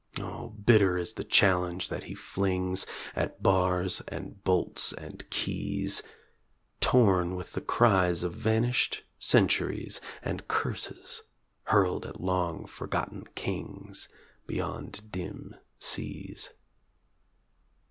O bitter is the challenge that he flings At bars and bolts and keys. Torn with the cries of vanished centuries And curses hurled at long forgotten kings Beyond dim seas.